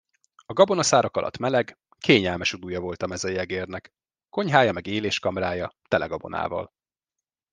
A gabonaszárak alatt meleg, kényelmes odúja volt a mezeiegérnek, konyhája meg éléskamrája tele gabonával.